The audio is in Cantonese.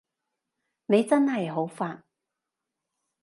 你真係好煩